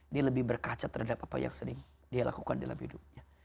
dia lebih berkaca terhadap apa yang sering dia lakukan dalam hidupnya